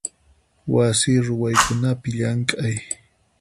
Wasi ruwaykunapi llamk'ay.